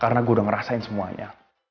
karena gue udah ngerasain semuanya